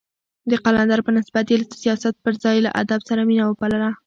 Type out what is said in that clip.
د قلندر په نسبت يې له سياست پر ځای له ادب سره مينه وپالله.